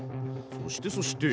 そしてそして。